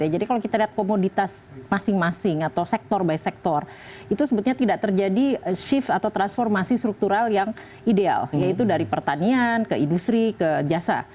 jadi kalau kita lihat komoditas masing masing atau sektor by sektor itu sebetulnya tidak terjadi shift atau transformasi struktural yang ideal yaitu dari pertanian ke industri ke jasa